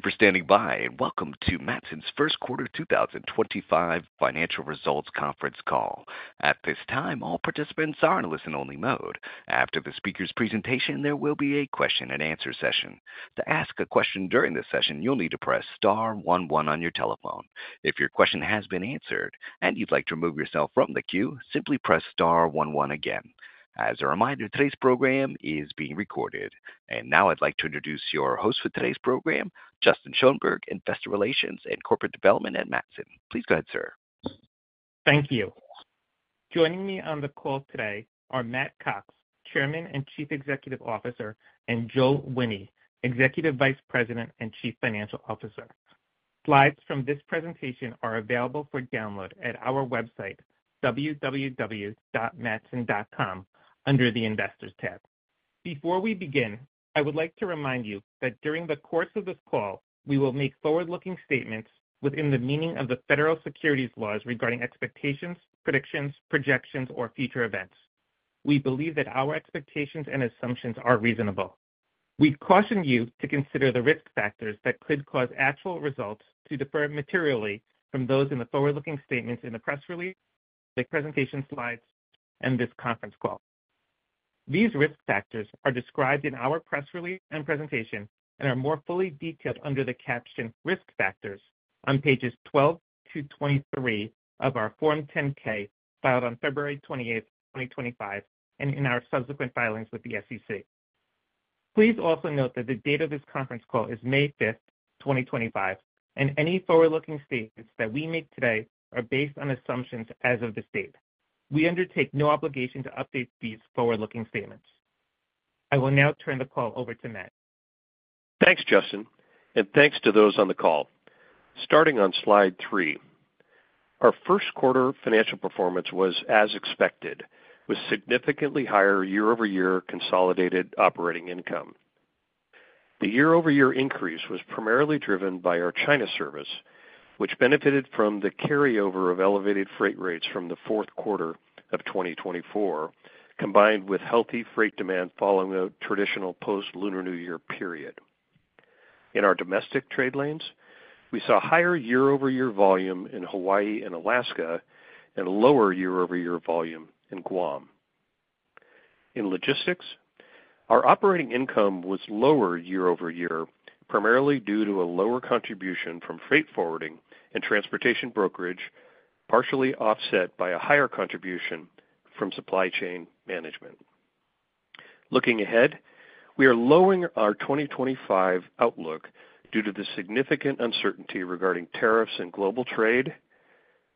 For standing by, and welcome to Matson's First Quarter 2025 Financial Results Conference Call. At this time, all participants are in listen-only mode. After the speaker's presentation, there will be a question-and-answer session. To ask a question during this session, you'll need to press star one one on your telephone. If your question has been answered and you'd like to remove yourself from the queue, simply press star one one again. As a reminder, today's program is being recorded. Now I'd like to introduce your host for today's program, Justin Schoenberg, Investor Relations and Corporate Development at Matson. Please go ahead, sir. Thank you. Joining me on the call today are Matt Cox, Chairman and Chief Executive Officer, and Joel Wine, Executive Vice President and Chief Financial Officer. Slides from this presentation are available for download at our website, www.matson.com, under the Investors tab. Before we begin, I would like to remind you that during the course of this call, we will make forward-looking statements within the meaning of the federal securities laws regarding expectations, predictions, projections, or future events. We believe that our expectations and assumptions are reasonable. We caution you to consider the risk factors that could cause actual results to differ materially from those in the forward-looking statements in the press release, the presentation slides, and this conference call. These risk factors are described in our press release and presentation and are more fully detailed under the captioned risk factors on pages 12 through 23 of our Form 10-K filed on February 28, 2025, and in our subsequent filings with the SEC. Please also note that the date of this conference call is May 5, 2025, and any forward-looking statements that we make today are based on assumptions as of this date. We undertake no obligation to update these forward-looking statements. I will now turn the call over to Matt. Thanks, Justin, and thanks to those on the call. Starting on slide three, our first quarter financial performance was as expected, with significantly higher year-over-year consolidated operating income. The year-over-year increase was primarily driven by our China service, which benefited from the carryover of elevated freight rates from the fourth quarter of 2024, combined with healthy freight demand following a traditional post-Lunar New Year period. In our domestic trade lanes, we saw higher year-over-year volume in Hawaii and Alaska and lower year-over-year volume in Guam. In logistics, our operating income was lower year-over-year, primarily due to a lower contribution from freight forwarding and transportation brokerage, partially offset by a higher contribution from supply chain management. Looking ahead, we are lowering our 2025 outlook due to the significant uncertainty regarding tariffs and global trade,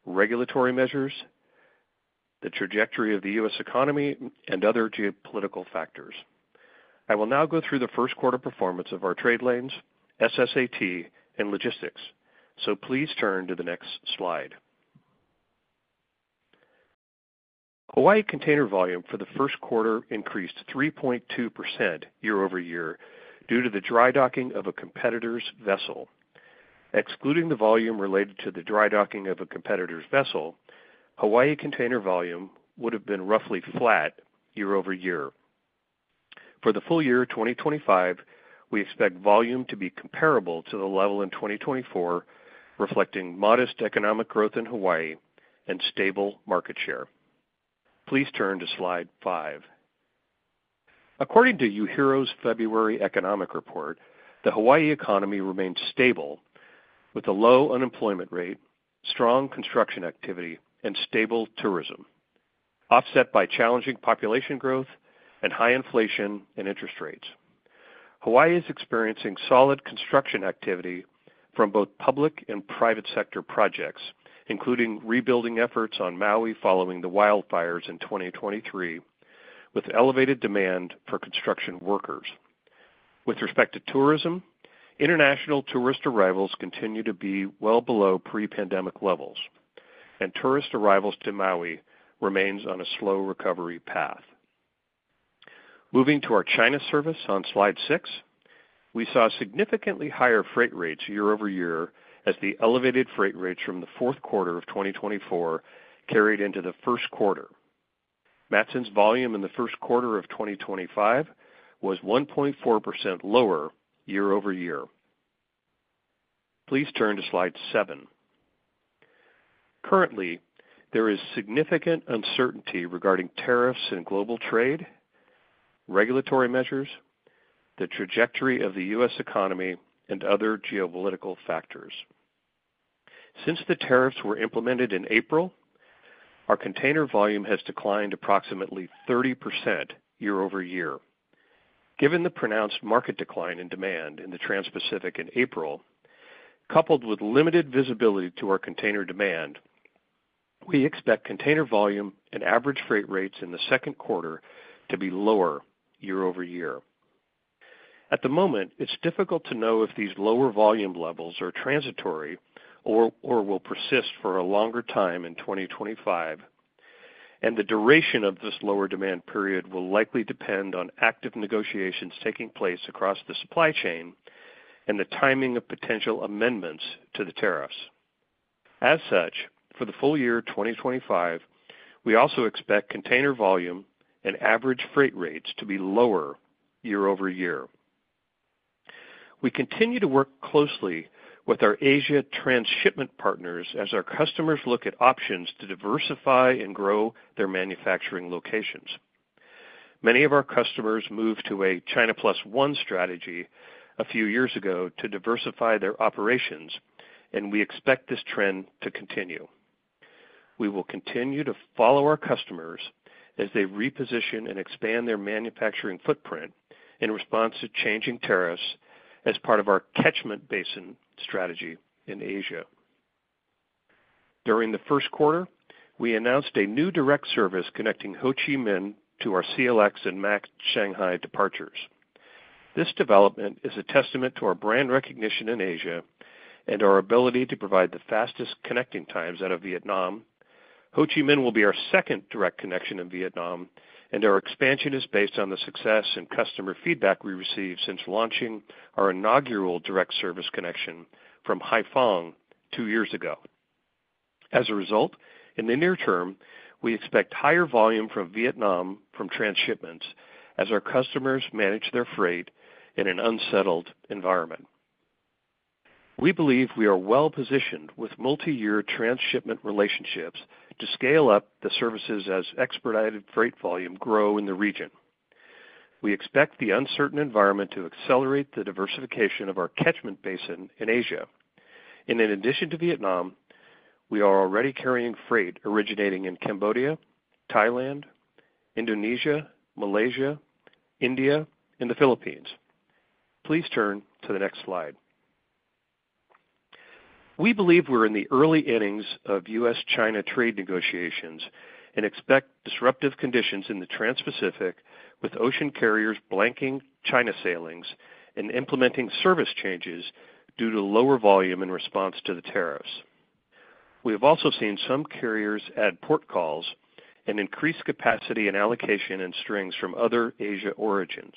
regulatory measures, the trajectory of the U.S. economy, and other geopolitical factors. I will now go through the first quarter performance of our trade lanes, SSAT, and logistics, so please turn to the next slide. Hawaii container volume for the first quarter increased 3.2% year-over-year due to the dry docking of a competitor's vessel. Excluding the volume related to the dry docking of a competitor's vessel, Hawaii container volume would have been roughly flat year-over-year. For the full year 2025, we expect volume to be comparable to the level in 2024, reflecting modest economic growth in Hawaii and stable market share. Please turn to slide five. According to UHERO's February economic report, the Hawaii economy remained stable, with a low unemployment rate, strong construction activity, and stable tourism, offset by challenging population growth and high inflation and interest rates. Hawaii is experiencing solid construction activity from both public and private sector projects, including rebuilding efforts on Maui following the wildfires in 2023, with elevated demand for construction workers. With respect to tourism, international tourist arrivals continue to be well below pre-pandemic levels, and tourist arrivals to Maui remain on a slow recovery path. Moving to our China service on slide six, we saw significantly higher freight rates year-over-year as the elevated freight rates from the fourth quarter of 2024 carried into the first quarter. Matson's volume in the first quarter of 2025 was 1.4% lower year-over-year. Please turn to slide seven. Currently, there is significant uncertainty regarding tariffs and global trade, regulatory measures, the trajectory of the U.S. economy, and other geopolitical factors. Since the tariffs were implemented in April, our container volume has declined approximately 30% year-over-year. Given the pronounced market decline in demand in the Trans-Pacific in April, coupled with limited visibility to our container demand, we expect container volume and average freight rates in the second quarter to be lower year-over-year. At the moment, it's difficult to know if these lower volume levels are transitory or will persist for a longer time in 2025, and the duration of this lower demand period will likely depend on active negotiations taking place across the supply chain and the timing of potential amendments to the tariffs. As such, for the full year 2025, we also expect container volume and average freight rates to be lower year-over-year. We continue to work closely with our Asia transshipment partners as our customers look at options to diversify and grow their manufacturing locations. Many of our customers moved to a China Plus One strategy a few years ago to diversify their operations, and we expect this trend to continue. We will continue to follow our customers as they reposition and expand their manufacturing footprint in response to changing tariffs as part of our catchment basin strategy in Asia. During the first quarter, we announced a new direct service connecting Ho Chi Minh to our CLX and MAX Shanghai departures. This development is a testament to our brand recognition in Asia and our ability to provide the fastest connecting times out of Vietnam. Ho Chi Minh will be our second direct connection in Vietnam, and our expansion is based on the success and customer feedback we received since launching our inaugural direct service connection from Haiphong two years ago. As a result, in the near term, we expect higher volume from Vietnam from transshipments as our customers manage their freight in an unsettled environment. We believe we are well positioned with multi-year transshipment relationships to scale up the services as expedited freight volume grow in the region. We expect the uncertain environment to accelerate the diversification of our catchment basin in Asia. In addition to Vietnam, we are already carrying freight originating in Cambodia, Thailand, Indonesia, Malaysia, India, and the Philippines. Please turn to the next slide. We believe we're in the early innings of U.S.-China trade negotiations and expect disruptive conditions in the Trans-Pacific, with ocean carriers blanking China sailings and implementing service changes due to lower volume in response to the tariffs. We have also seen some carriers add port calls and increase capacity and allocation and strings from other Asia origins.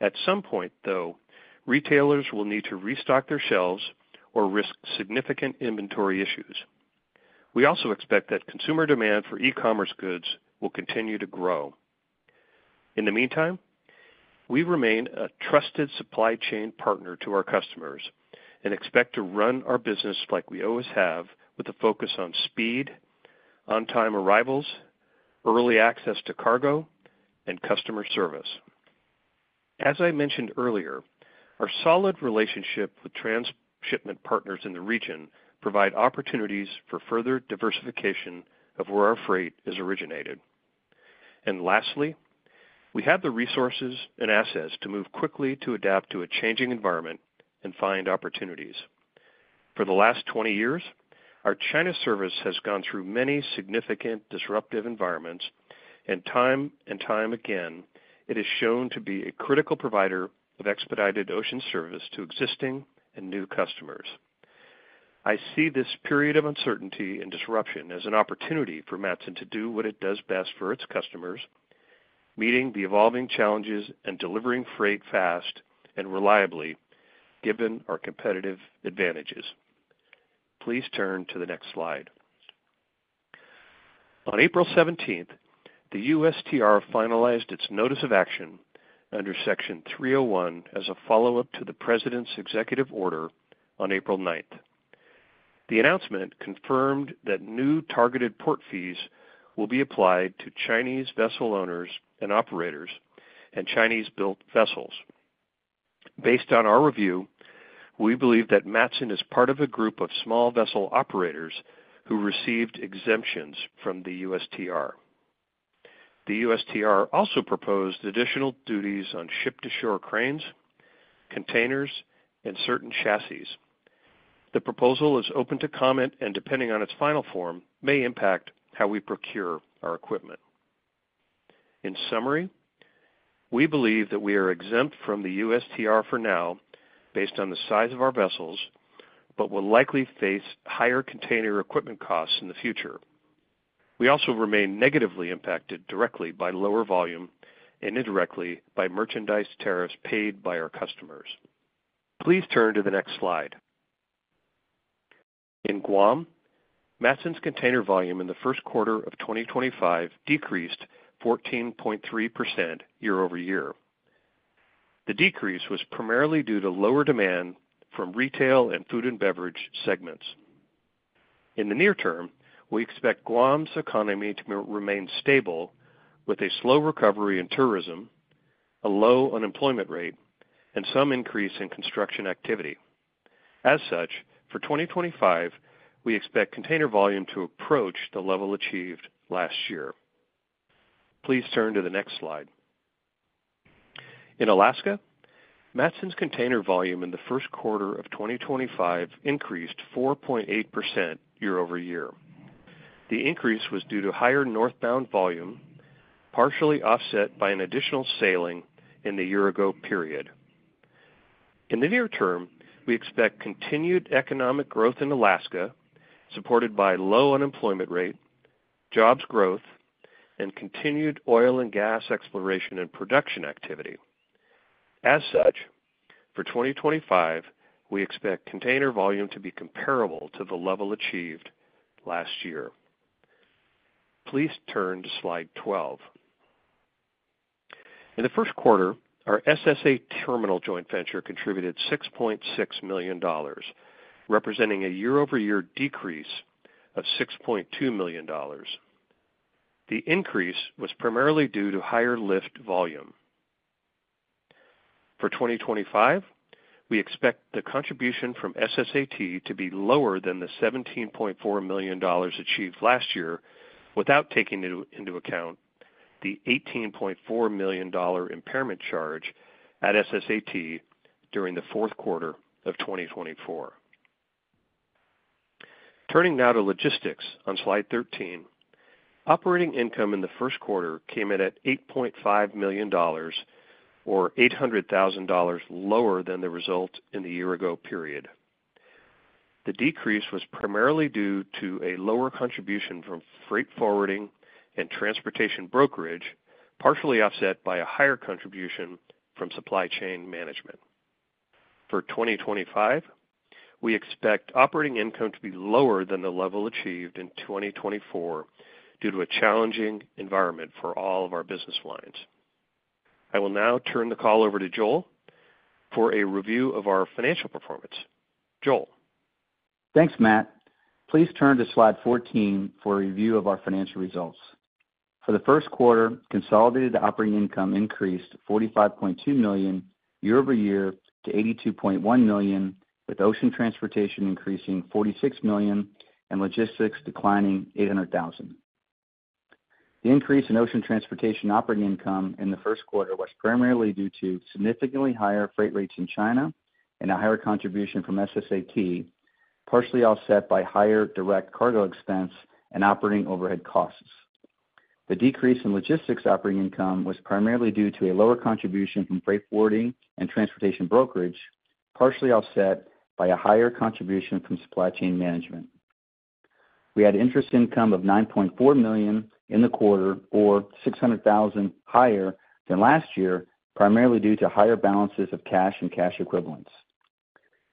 At some point, though, retailers will need to restock their shelves or risk significant inventory issues. We also expect that consumer demand for e-commerce goods will continue to grow. In the meantime, we remain a trusted supply chain partner to our customers and expect to run our business like we always have, with a focus on speed, on-time arrivals, early access to cargo, and customer service. As I mentioned earlier, our solid relationship with transshipment partners in the region provides opportunities for further diversification of where our freight is originated. Lastly, we have the resources and assets to move quickly to adapt to a changing environment and find opportunities. For the last 20 years, our China service has gone through many significant disruptive environments, and time and time again, it has shown to be a critical provider of expedited ocean service to existing and new customers. I see this period of uncertainty and disruption as an opportunity for Matson to do what it does best for its customers, meeting the evolving challenges and delivering freight fast and reliably, given our competitive advantages. Please turn to the next slide. On April 17, the U.S. Trade Representative finalized its notice of action under Section 301 as a follow-up to the President's executive order on April 9. The announcement confirmed that new targeted port fees will be applied to Chinese vessel owners and operators and Chinese-built vessels. Based on our review, we believe that Matson is part of a group of small vessel operators who received exemptions from the U.S. Trade Representative. The U.S. Trade Representative also proposed additional duties on ship-to-shore cranes, containers, and certain chassis. The proposal is open to comment, and depending on its final form, may impact how we procure our equipment. In summary, we believe that we are exempt from the USTR for now based on the size of our vessels, but will likely face higher container equipment costs in the future. We also remain negatively impacted directly by lower volume and indirectly by merchandise tariffs paid by our customers. Please turn to the next slide. In Guam, Matson's container volume in the first quarter of 2025 decreased 14.3% year-over-year. The decrease was primarily due to lower demand from retail and food and beverage segments. In the near term, we expect Guam's economy to remain stable with a slow recovery in tourism, a low unemployment rate, and some increase in construction activity. As such, for 2025, we expect container volume to approach the level achieved last year. Please turn to the next slide. In Alaska, Matson's container volume in the first quarter of 2025 increased 4.8% year-over-year. The increase was due to higher northbound volume, partially offset by an additional sailing in the year-ago period. In the near term, we expect continued economic growth in Alaska, supported by low unemployment rate, jobs growth, and continued oil and gas exploration and production activity. As such, for 2025, we expect container volume to be comparable to the level achieved last year. Please turn to slide 12. In the first quarter, our SSAT joint venture contributed $6.6 million, representing a year-over-year decrease of $6.2 million. The increase was primarily due to higher lift volume. For 2025, we expect the contribution from SSAT to be lower than the $17.4 million achieved last year, without taking into account the $18.4 million impairment charge at SSAT during the fourth quarter of 2024. Turning now to logistics on slide 13, operating income in the first quarter came in at $8.5 million, or $800,000 lower than the result in the year-ago period. The decrease was primarily due to a lower contribution from freight forwarding and transportation brokerage, partially offset by a higher contribution from supply chain management. For 2025, we expect operating income to be lower than the level achieved in 2024 due to a challenging environment for all of our business lines. I will now turn the call over to Joel for a review of our financial performance. Joel. Thanks, Matt. Please turn to slide 14 for a review of our financial results. For the first quarter, consolidated operating income increased $45.2 million year-over-year to $82.1 million, with ocean transportation increasing $46 million and logistics declining $800,000. The increase in ocean transportation operating income in the first quarter was primarily due to significantly higher freight rates in China and a higher contribution from SSAT, partially offset by higher direct cargo expense and operating overhead costs. The decrease in logistics operating income was primarily due to a lower contribution from freight forwarding and transportation brokerage, partially offset by a higher contribution from supply chain management. We had interest income of $9.4 million in the quarter, or $600,000 higher than last year, primarily due to higher balances of cash and cash equivalents.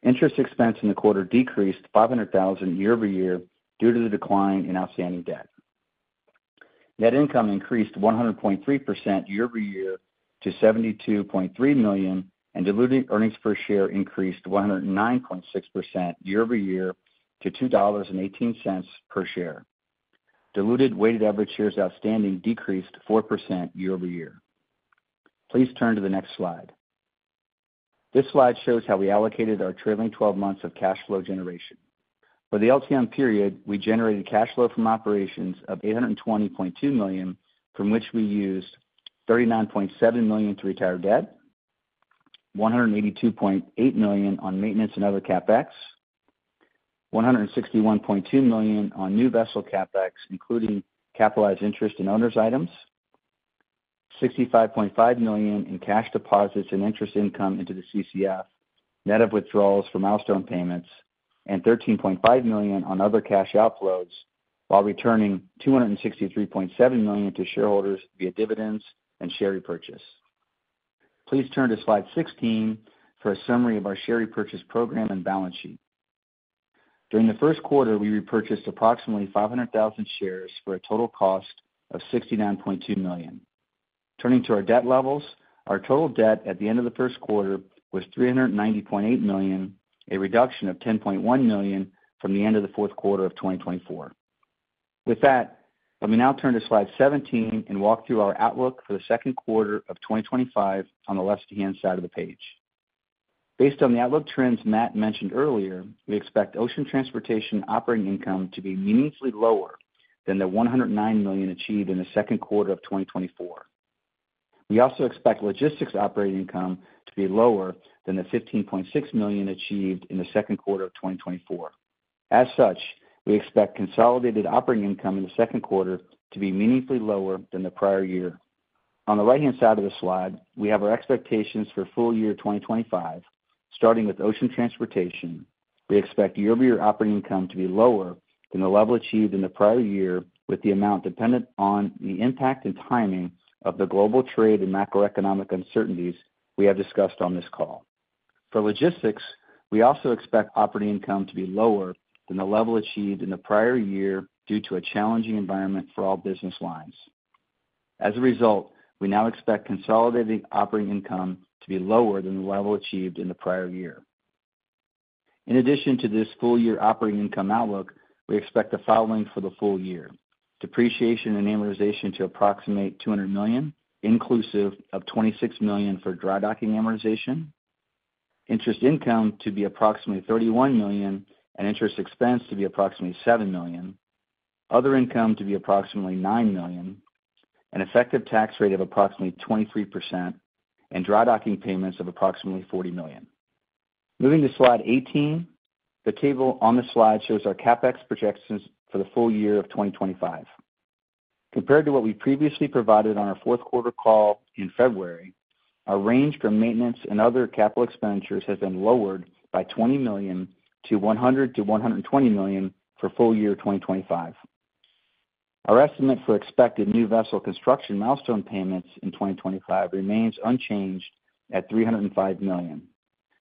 Interest expense in the quarter decreased $500,000 year-over-year due to the decline in outstanding debt. Net income increased 100.3% year-over-year to $72.3 million, and diluted earnings per share increased 109.6% year-over-year to $2.18 per share. Diluted weighted average shares outstanding decreased 4% year-over-year. Please turn to the next slide. This slide shows how we allocated our trailing 12 months of cash flow generation. For the LTM period, we generated cash flow from operations of $820.2 million, from which we used $39.7 million to retire debt, $182.8 million on maintenance and other CapEx, $161.2 million on new vessel CapEx, including capitalized interest and owners' items, $65.5 million in cash deposits and interest income into the CCF, net of withdrawals for milestone payments, and $13.5 million on other cash outflows, while returning $263.7 million to shareholders via dividends and share repurchase. Please turn to slide 16 for a summary of our share repurchase program and balance sheet. During the first quarter, we repurchased approximately 500,000 shares for a total cost of $69.2 million. Turning to our debt levels, our total debt at the end of the first quarter was $390.8 million, a reduction of $10.1 million from the end of the fourth quarter of 2024. With that, let me now turn to slide 17 and walk through our outlook for the second quarter of 2025 on the left-hand side of the page. Based on the outlook trends Matt mentioned earlier, we expect ocean transportation operating income to be meaningfully lower than the $109 million achieved in the second quarter of 2024. We also expect logistics operating income to be lower than the $15.6 million achieved in the second quarter of 2024. As such, we expect consolidated operating income in the second quarter to be meaningfully lower than the prior year. On the right-hand side of the slide, we have our expectations for full year 2025. Starting with ocean transportation, we expect year-over-year operating income to be lower than the level achieved in the prior year, with the amount dependent on the impact and timing of the global trade and macroeconomic uncertainties we have discussed on this call. For logistics, we also expect operating income to be lower than the level achieved in the prior year due to a challenging environment for all business lines. As a result, we now expect consolidated operating income to be lower than the level achieved in the prior year. In addition to this full year operating income outlook, we expect the following for the full year: depreciation and amortization to approximate $200 million, inclusive of $26 million for dry docking amortization, interest income to be approximately $31 million, and interest expense to be approximately $7 million, other income to be approximately $9 million, an effective tax rate of approximately 23%, and dry docking payments of approximately $40 million. Moving to slide 18, the table on the slide shows our CapEx projections for the full year of 2025. Compared to what we previously provided on our fourth quarter call in February, our range for maintenance and other capital expenditures has been lowered by $20 million to $100-$120 million for full year 2025. Our estimate for expected new vessel construction milestone payments in 2025 remains unchanged at $305 million.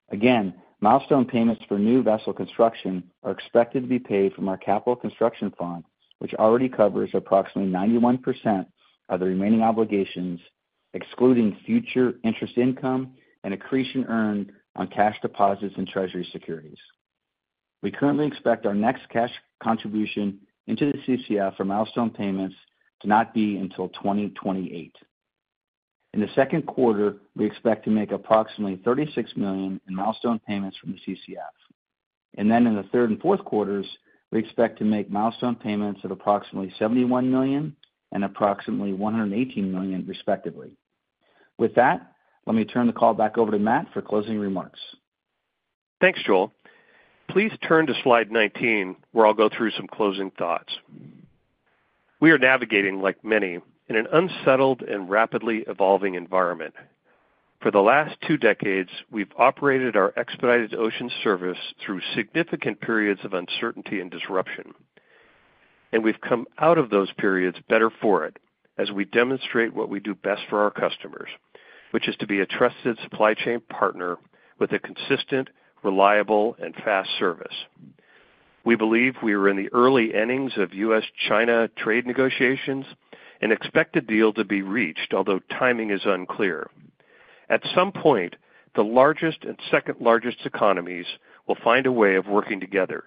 Again, milestone payments for new vessel construction are expected to be paid from our Capital Construction Fund, which already covers approximately 91% of the remaining obligations, excluding future interest income and accretion earned on cash deposits and treasury securities. We currently expect our next cash contribution into the CCF for milestone payments to not be until 2028. In the second quarter, we expect to make approximately $36 million in milestone payments from the CCF. In the third and fourth quarters, we expect to make milestone payments of approximately $71 million and approximately $118 million, respectively. With that, let me turn the call back over to Matt for closing remarks. Thanks, Joel. Please turn to slide 19, where I'll go through some closing thoughts. We are navigating, like many, in an unsettled and rapidly evolving environment. For the last two decades, we've operated our expedited ocean service through significant periods of uncertainty and disruption. We've come out of those periods better for it, as we demonstrate what we do best for our customers, which is to be a trusted supply chain partner with a consistent, reliable, and fast service. We believe we are in the early innings of U.S.-China trade negotiations and expect a deal to be reached, although timing is unclear. At some point, the largest and second-largest economies will find a way of working together.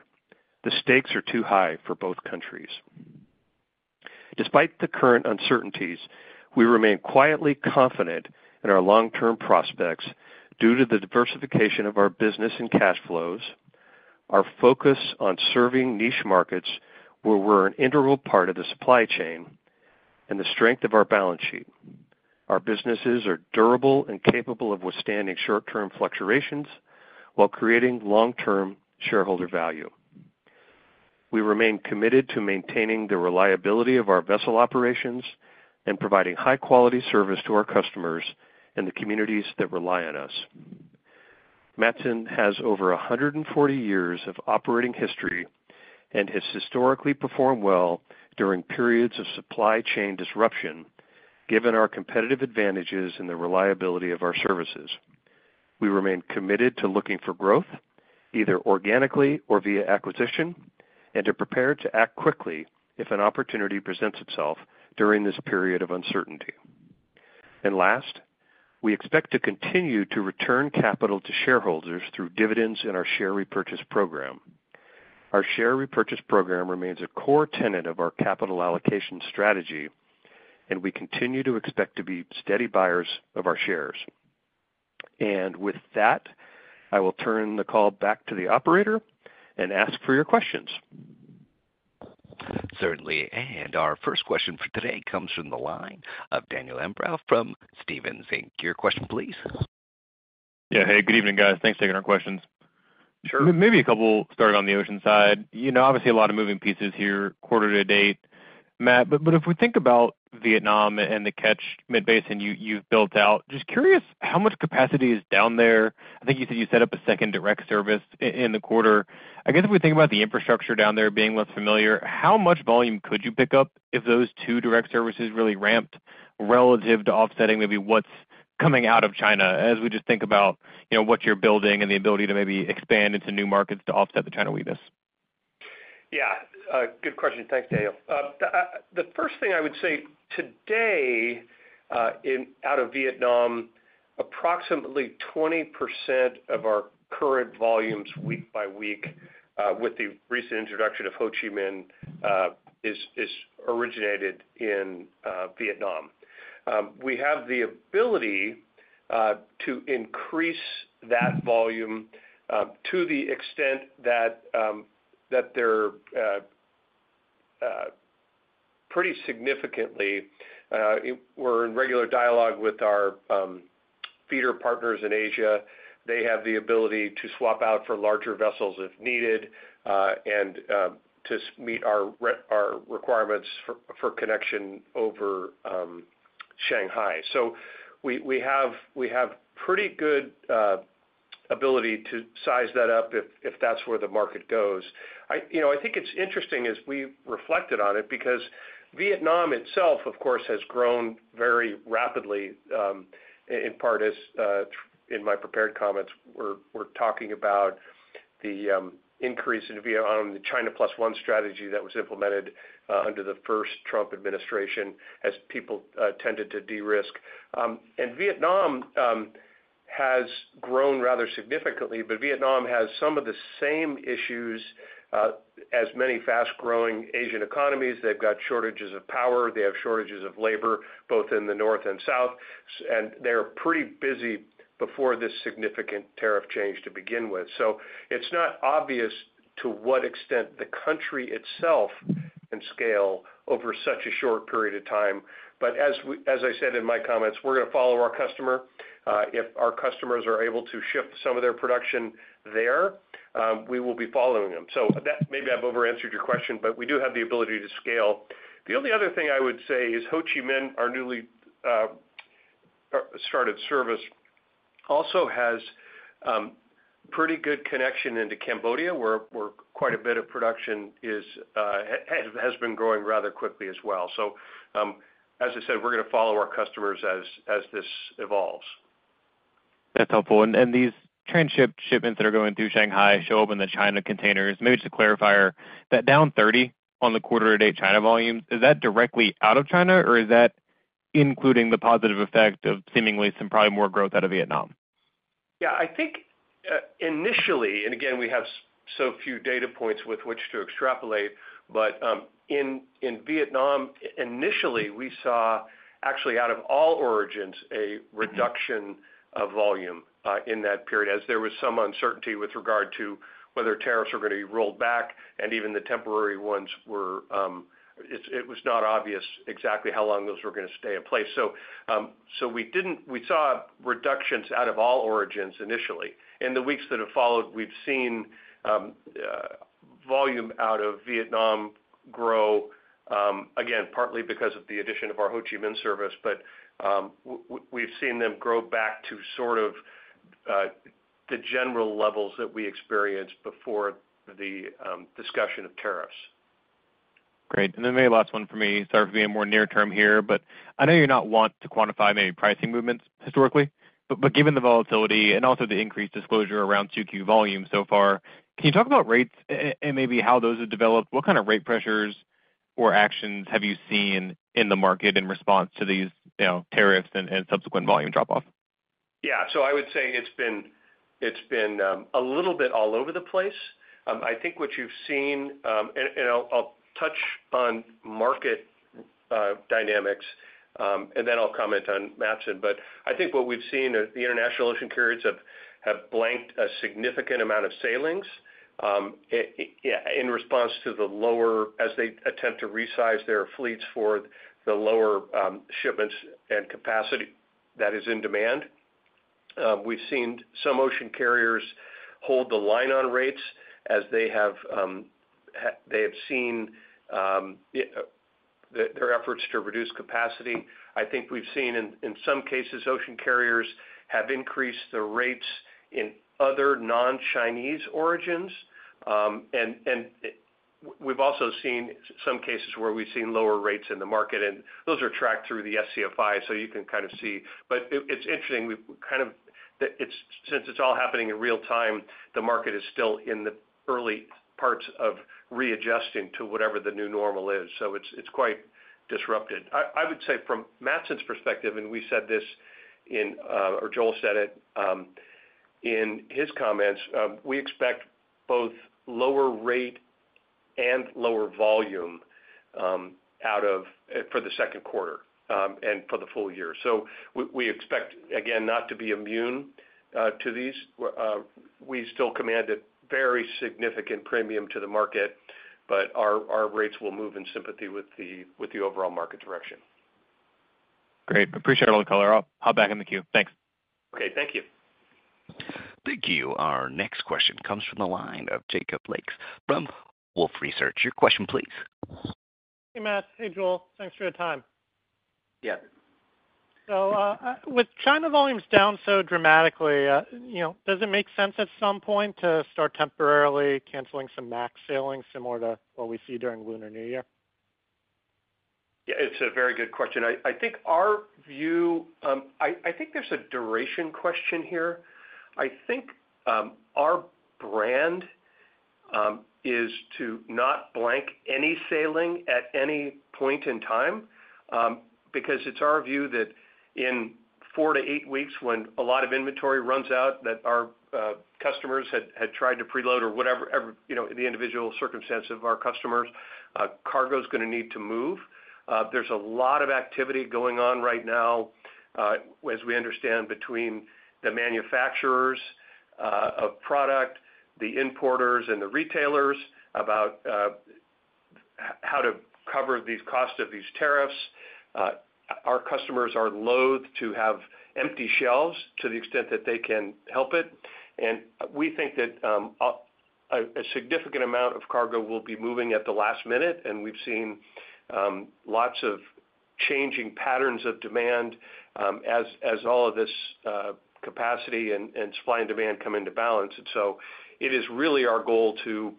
The stakes are too high for both countries. Despite the current uncertainties, we remain quietly confident in our long-term prospects due to the diversification of our business and cash flows, our focus on serving niche markets where we're an integral part of the supply chain, and the strength of our balance sheet. Our businesses are durable and capable of withstanding short-term fluctuations while creating long-term shareholder value. We remain committed to maintaining the reliability of our vessel operations and providing high-quality service to our customers and the communities that rely on us. Matson has over 140 years of operating history, and has historically performed well during periods of supply chain disruption, given our competitive advantages and the reliability of our services. We remain committed to looking for growth, either organically or via acquisition, and are prepared to act quickly if an opportunity presents itself during this period of uncertainty. Last, we expect to continue to return capital to shareholders through dividends in our share repurchase program. Our share repurchase program remains a core tenet of our capital allocation strategy, and we continue to expect to be steady buyers of our shares. With that, I will turn the call back to the operator and ask for your questions. Certainly. Our first question for today comes from the line of Daniel M. Brown from Stephens. Your question, please. Yeah. Hey, good evening, guys. Thanks for taking our questions. Sure. Maybe a couple started on the ocean side. Obviously, a lot of moving pieces here, quarter to date. Matt, but if we think about Vietnam and the catchment basin you have built out, just curious how much capacity is down there? I think you said you set up a second direct service in the quarter. I guess if we think about the infrastructure down there being less familiar, how much volume could you pick up if those two direct services really ramped relative to offsetting maybe what's coming out of China, as we just think about what you're building and the ability to maybe expand into new markets to offset the China weakness? Yeah. Good question. Thanks, Daniel. The first thing I would say today out of Vietnam, approximately 20% of our current volumes week by week with the recent introduction of Ho Chi Minh is originated in Vietnam. We have the ability to increase that volume to the extent that they're pretty significantly. We're in regular dialogue with our feeder partners in Asia. They have the ability to swap out for larger vessels if needed and to meet our requirements for connection over Shanghai. We have pretty good ability to size that up if that's where the market goes. I think it's interesting as we reflected on it because Vietnam itself, of course, has grown very rapidly, in part as in my prepared comments, we're talking about the increase in Vietnam, the China Plus One strategy that was implemented under the first Trump administration as people tended to de-risk. Vietnam has grown rather significantly, but Vietnam has some of the same issues as many fast-growing Asian economies. They've got shortages of power. They have shortages of labor both in the north and south. They're pretty busy before this significant tariff change to begin with. It's not obvious to what extent the country itself can scale over such a short period of time. As I said in my comments, we're going to follow our customer. If our customers are able to shift some of their production there, we will be following them. Maybe I have overanswered your question, but we do have the ability to scale. The only other thing I would say is Ho Chi Minh, our newly started service, also has pretty good connection into Cambodia, where quite a bit of production has been growing rather quickly as well. As I said, we are going to follow our customers as this evolves. That is helpful. These transshipments that are going through Shanghai show up in the China containers. Maybe just a clarifier, that down 30 on the quarter-to-date China volume, is that directly out of China, or is that including the positive effect of seemingly some probably more growth out of Vietnam? Yeah. I think initially, and again, we have so few data points with which to extrapolate, but in Vietnam, initially, we saw actually out of all origins a reduction of volume in that period as there was some uncertainty with regard to whether tariffs were going to be rolled back. Even the temporary ones, it was not obvious exactly how long those were going to stay in place. We saw reductions out of all origins initially. In the weeks that have followed, we've seen volume out of Vietnam grow, again, partly because of the addition of our Ho Chi Minh service, but we've seen them grow back to sort of the general levels that we experienced before the discussion of tariffs. Great. Maybe last one for me, sorry for being more near-term here, but I know you're not wanting to quantify maybe pricing movements historically, but given the volatility and also the increased disclosure around Q2 volume so far, can you talk about rates and maybe how those have developed? What kind of rate pressures or actions have you seen in the market in response to these tariffs and subsequent volume drop-off? Yeah. I would say it's been a little bit all over the place. I think what you've seen, and I'll touch on market dynamics, and then I'll comment on Matson. I think what we've seen, the international ocean carriers have blanked a significant amount of sailings in response to the lower as they attempt to resize their fleets for the lower shipments and capacity that is in demand. We've seen some ocean carriers hold the line on rates as they have seen their efforts to reduce capacity. I think we've seen in some cases ocean carriers have increased the rates in other non-Chinese origins. We've also seen some cases where we've seen lower rates in the market. Those are tracked through the SCFI, so you can kind of see. It's interesting kind of since it's all happening in real time, the market is still in the early parts of readjusting to whatever the new normal is. It is quite disrupted. I would say from Matson's perspective, and we said this or Joel said it in his comments, we expect both lower rate and lower volume out of for the second quarter and for the full year. We expect, again, not to be immune to these. We still command a very significant premium to the market, but our rates will move in sympathy with the overall market direction. Great. Appreciate all the color. I'll hop back in the queue. Thanks. Okay. Thank you. Thank you. Our next question comes from the line of Jacob Lacks from Wolfe Research. Your question, please. Hey, Matt. Hey, Joel. Thanks for your time. Yeah. With China volumes down so dramatically, does it make sense at some point to start temporarily canceling some MAC sailings similar to what we see during Lunar New Year? Yeah. It's a very good question. I think our view, I think there's a duration question here. I think our brand is to not blank any sailing at any point in time because it's our view that in four to eight weeks when a lot of inventory runs out, that our customers had tried to preload or whatever, the individual circumstances of our customers, cargo is going to need to move. There is a lot of activity going on right now, as we understand, between the manufacturers of product, the importers, and the retailers about how to cover these costs of these tariffs. Our customers are loath to have empty shelves to the extent that they can help it. We think that a significant amount of cargo will be moving at the last minute. We have seen lots of changing patterns of demand as all of this capacity and supply and demand come into balance. It is really our goal to,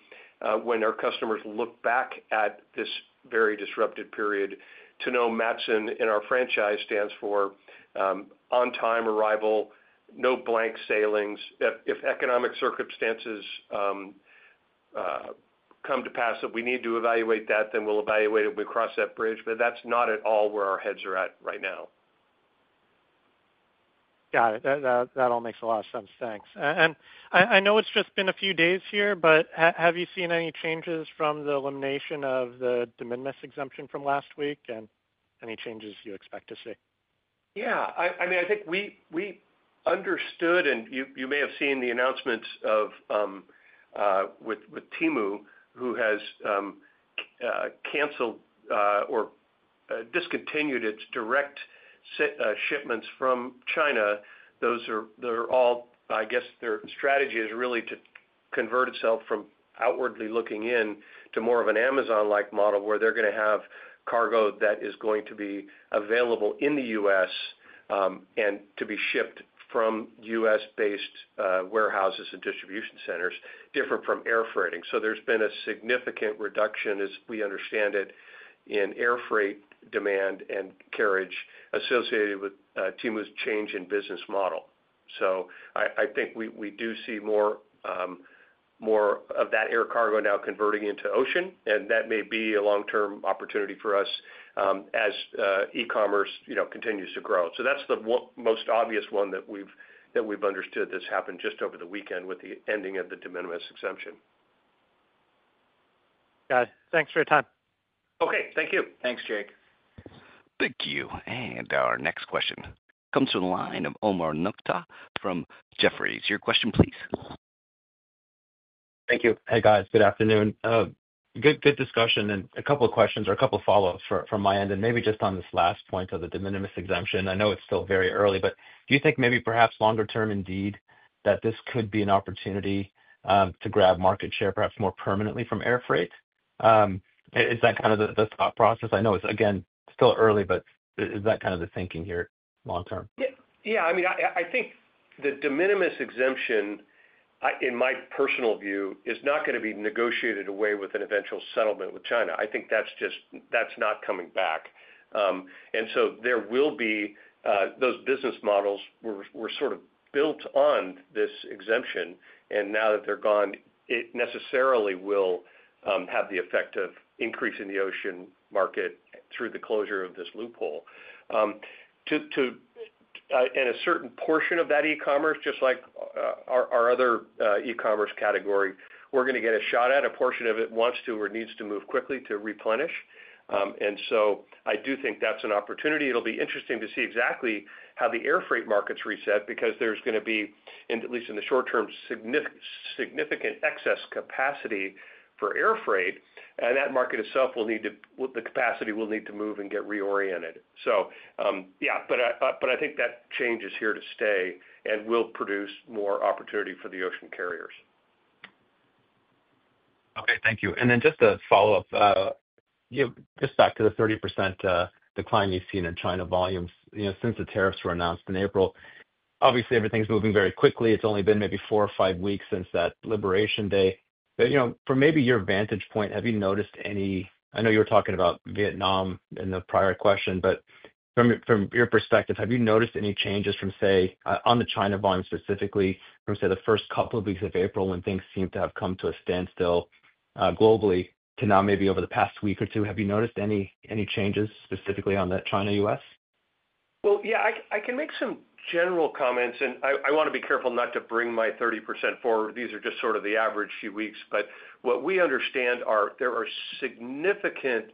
when our customers look back at this very disrupted period, to know Matson in our franchise stands for on-time arrival, no blank sailings. If economic circumstances come to pass that we need to evaluate that, then we'll evaluate it when we cross that bridge. That is not at all where our heads are at right now. Got it. That all makes a lot of sense. Thanks. I know it has just been a few days here, but have you seen any changes from the elimination of the de minimis exemption from last week and any changes you expect to see? Yeah. I mean, I think we understood, and you may have seen the announcements with Temu, who has canceled or discontinued its direct shipments from China. They're all, I guess their strategy is really to convert itself from outwardly looking in to more of an Amazon-like model where they're going to have cargo that is going to be available in the U.S. and to be shipped from U.S.-based warehouses and distribution centers, different from air freighting. There has been a significant reduction, as we understand it, in air freight demand and carriage associated with Temu's change in business model. I think we do see more of that air cargo now converting into ocean. That may be a long-term opportunity for us as e-commerce continues to grow. That's the most obvious one that we've understood has happened just over the weekend with the ending of the de minimis exemption. Got it. Thanks for your time. Okay. Thank you. Thanks, Jake. Thank you. Our next question comes from the line of Omar Nokta from Jefferies. Your question, please. Thank you. Hey, guys. Good afternoon. Good discussion and a couple of questions or a couple of follow-ups from my end. Maybe just on this last point of the de minimis exemption, I know it's still very early, but do you think maybe perhaps longer term indeed that this could be an opportunity to grab market share perhaps more permanently from air freight? Is that kind of the thought process? I know it's, again, still early, but is that kind of the thinking here long-term? Yeah. I mean, I think the de minimis exemption, in my personal view, is not going to be negotiated away with an eventual settlement with China. I think that's not coming back. There will be those business models were sort of built on this exemption. Now that they're gone, it necessarily will have the effect of increasing the ocean market through the closure of this loophole. In a certain portion of that e-commerce, just like our other e-commerce category, we're going to get a shot at a portion of it that wants to or needs to move quickly to replenish. I do think that's an opportunity. It'll be interesting to see exactly how the air freight markets reset because there's going to be, at least in the short term, significant excess capacity for air freight. That market itself will need to, the capacity will need to move and get reoriented. Yeah, I think that change is here to stay and will produce more opportunity for the ocean carriers. Okay. Thank you. Just to follow up, just back to the 30% decline you've seen in China volumes since the tariffs were announced in April. Obviously, everything's moving very quickly. It's only been maybe four or five weeks since that liberation day. From maybe your vantage point, have you noticed any? I know you were talking about Vietnam in the prior question, but from your perspective, have you noticed any changes from, say, on the China volume specifically from, say, the first couple of weeks of April when things seem to have come to a standstill globally to now maybe over the past week or two? Have you noticed any changes specifically on that China-U.S.? Yeah, I can make some general comments. I want to be careful not to bring my 30% forward. These are just sort of the average few weeks. What we understand are there are significant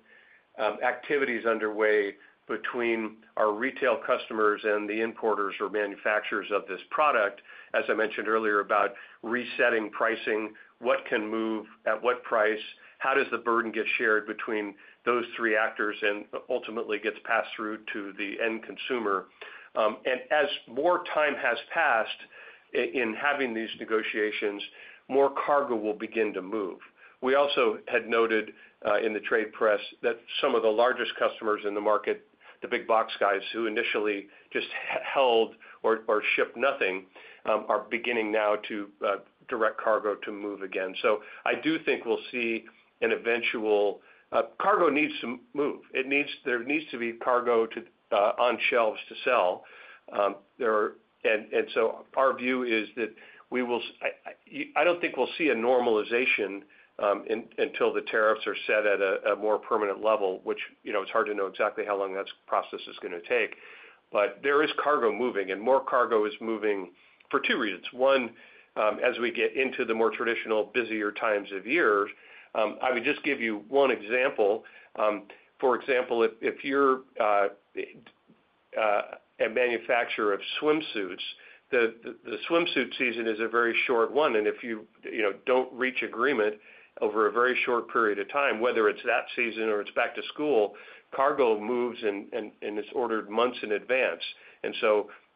activities underway between our retail customers and the importers or manufacturers of this product, as I mentioned earlier, about resetting pricing, what can move at what price, how does the burden get shared between those three actors, and ultimately gets passed through to the end consumer. As more time has passed in having these negotiations, more cargo will begin to move. We also had noted in the trade press that some of the largest customers in the market, the big box guys who initially just held or shipped nothing, are beginning now to direct cargo to move again. I do think we'll see an eventual cargo needs to move. There needs to be cargo on shelves to sell. Our view is that we will, I don't think we'll see a normalization until the tariffs are set at a more permanent level, which it's hard to know exactly how long that process is going to take. There is cargo moving, and more cargo is moving for two reasons. One, as we get into the more traditional, busier times of years. I would just give you one example. For example, if you're a manufacturer of swimsuits, the swimsuit season is a very short one. If you don't reach agreement over a very short period of time, whether it's that season or it's back to school, cargo moves and is ordered months in advance.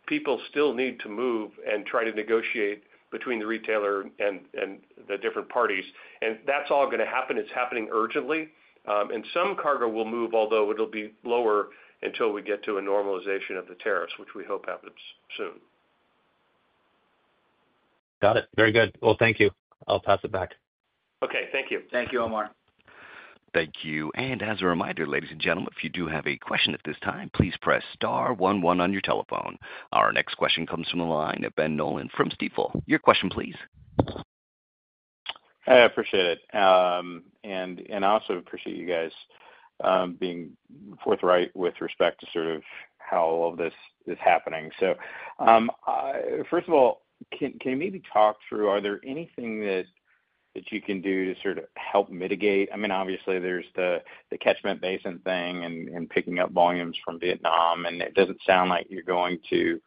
People still need to move and try to negotiate between the retailer and the different parties. That's all going to happen. It's happening urgently. Some cargo will move, although it'll be lower until we get to a normalization of the tariffs, which we hope happens soon. Got it. Very good. Thank you. I'll pass it back. Okay. Thank you. Thank you, Omar. Thank you. As a reminder, ladies and gentlemen, if you do have a question at this time, please press star 11 on your telephone. Our next question comes from the line of Ben Nolan from Stifel. Your question, please. I appreciate it. I also appreciate you guys being forthright with respect to sort of how all of this is happening. First of all, can you maybe talk through, are there anything that you can do to sort of help mitigate? I mean, obviously, there's the catchment basin thing and picking up volumes from Vietnam. It doesn't sound like you're going to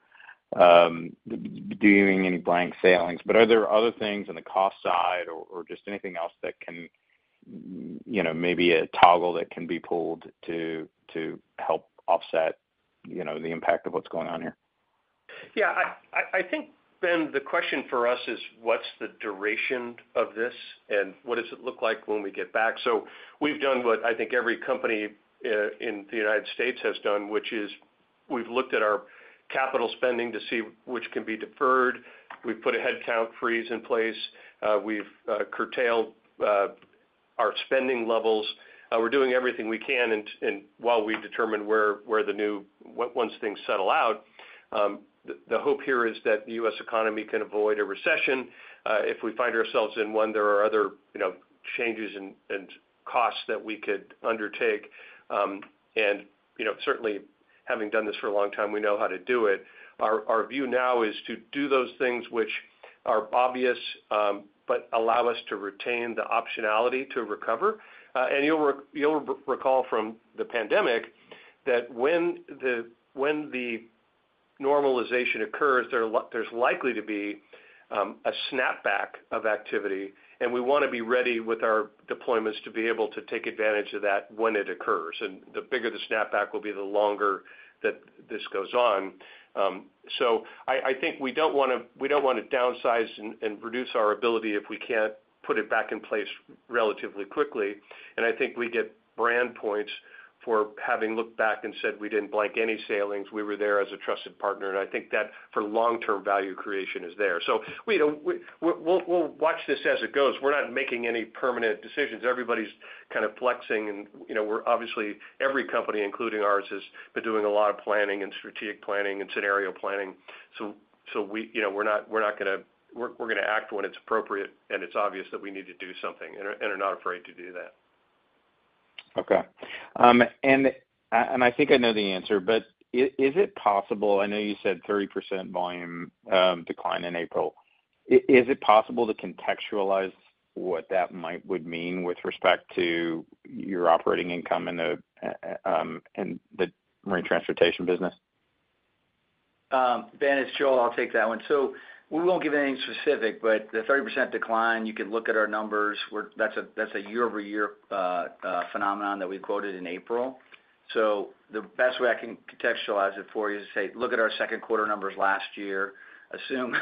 be doing any blank sailings. Are there other things on the cost side or just anything else that can maybe be a toggle that can be pulled to help offset the impact of what's going on here? Yeah. I think, Ben, the question for us is what's the duration of this and what does it look like when we get back? We have done what I think every company in the United States has done, which is we have looked at our capital spending to see which can be deferred. We have put a headcount freeze in place. We have curtailed our spending levels. We are doing everything we can while we determine where the new, once things settle out. The hope here is that the U.S. economy can avoid a recession. If we find ourselves in one, there are other changes and costs that we could undertake. Certainly, having done this for a long time, we know how to do it. Our view now is to do those things which are obvious but allow us to retain the optionality to recover. You'll recall from the pandemic that when the normalization occurs, there's likely to be a snapback of activity. We want to be ready with our deployments to be able to take advantage of that when it occurs. The bigger the snapback will be, the longer that this goes on. I think we don't want to downsize and reduce our ability if we can't put it back in place relatively quickly. I think we get brand points for having looked back and said we didn't blank any sailings. We were there as a trusted partner. I think that for long-term value creation is there. We'll watch this as it goes. We're not making any permanent decisions. Everybody's kind of flexing. Obviously, every company, including ours, has been doing a lot of planning and strategic planning and scenario planning. We're not going to act until it's appropriate. It's obvious that we need to do something and are not afraid to do that. I think I know the answer, but is it possible? I know you said 30% volume decline in April. Is it possible to contextualize what that might mean with respect to your operating income and the marine transportation business? Ben is chill. I'll take that one. We won't give anything specific, but the 30% decline, you can look at our numbers. That's a year-over-year phenomenon that we quoted in April. The best way I can contextualize it for you is to say, look at our second quarter numbers last year. Assume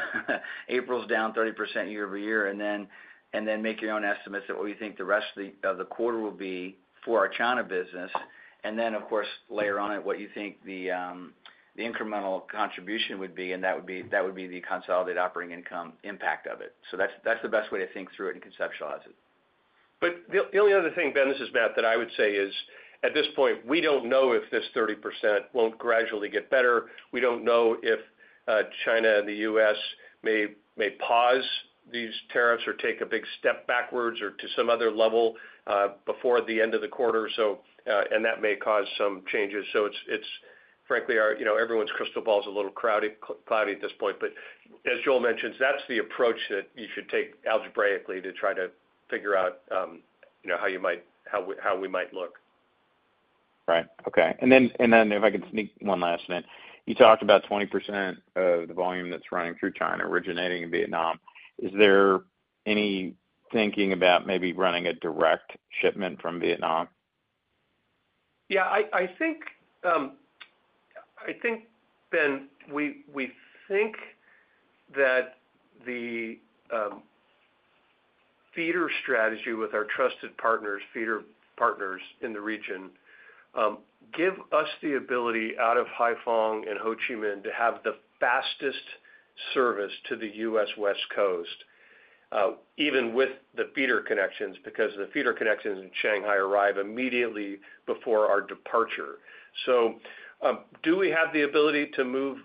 April's down 30% year-over-year and then make your own estimates of what you think the rest of the quarter will be for our China business. Of course, layer on it what you think the incremental contribution would be. That would be the consolidated operating income impact of it. That's the best way to think through it and conceptualize it. The only other thing, Ben, this is Matt, that I would say is at this point, we don't know if this 30% won't gradually get better. We don't know if China and the U.S. may pause these tariffs or take a big step backwards or to some other level before the end of the quarter. That may cause some changes. Frankly, everyone's crystal ball is a little cloudy at this point. As Joel mentioned, that's the approach that you should take algebraically to try to figure out how we might look. Right. Okay. If I can sneak one last thing, you talked about 20% of the volume that's running through China originating in Vietnam. Is there any thinking about maybe running a direct shipment from Vietnam? Yeah. I think, Ben, we think that the feeder strategy with our trusted partners, feeder partners in the region, gives us the ability out of Haiphong and Ho Chi Minh to have the fastest service to the U.S. West Coast, even with the feeder connections because the feeder connections in Shanghai arrive immediately before our departure. Do we have the ability to move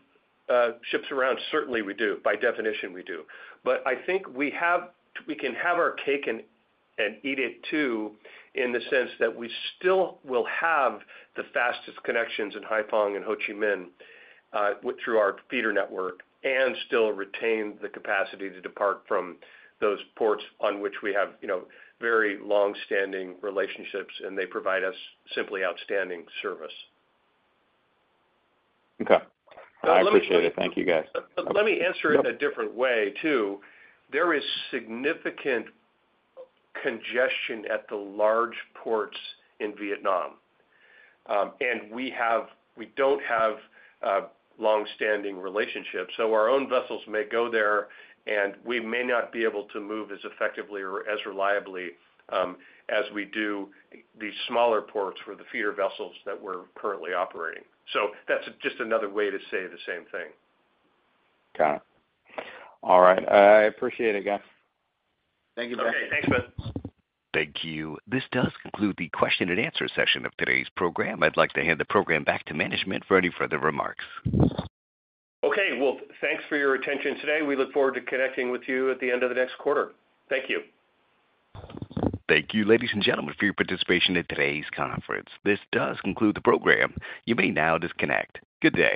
ships around? Certainly, we do. By definition, we do. I think we can have our cake and eat it too in the sense that we still will have the fastest connections in Haiphong and Ho Chi Minh through our feeder network and still retain the capacity to depart from those ports on which we have very long-standing relationships, and they provide us simply outstanding service. Okay. I appreciate it. Thank you, guys. Let me answer it a different way too. There is significant congestion at the large ports in Vietnam. We do not have long-standing relationships. Our own vessels may go there, and we may not be able to move as effectively or as reliably as we do the smaller ports for the feeder vessels that we are currently operating. That is just another way to say the same thing. Got it. All right. I appreciate it, guys. Thank you, Ben. Okay. Thanks, Ben. Thank you. This does conclude the question and answer session of today's program. I'd like to hand the program back to management for any further remarks. Okay. Thanks for your attention today. We look forward to connecting with you at the end of the next quarter. Thank you. Thank you, ladies and gentlemen, for your participation in today's conference. This does conclude the program. You may now disconnect. Good day.